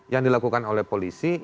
yang dilakukan oleh polisi